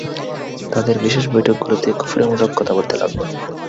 তাদের বিশেষ বৈঠকগুলোতে কুফুরীমূলক কথা বলতে লাগল।